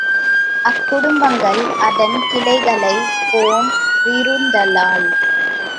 அக் குடும்பங்கள் அதன் கிளைகளைப் போன் றிருத்தலால்